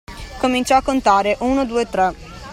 Cominciò a contare: uno, due, tre.